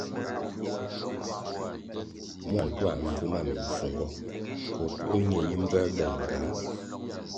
Mua ntuā mbvu ma mimfungo koh puē ñe yi mvuēbel ngah?